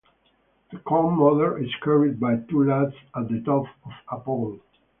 The Corn Mother is carried by two lads at the top of a pole.